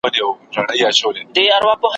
د تصادف زېږنده نه دی